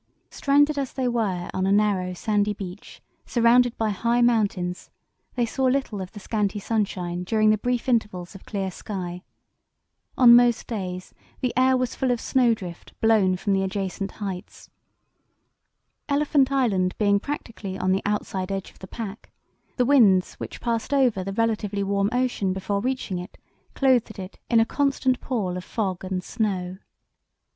Stranded as they were on a narrow, sandy beach surrounded by high mountains, they saw little of the scanty sunshine during the brief intervals of clear sky. On most days the air was full of snowdrift blown from the adjacent heights. Elephant Island being practically on the outside edge of the pack, the winds which passed over the relatively warm ocean before reaching it clothed it in a "constant pall of fog and snow."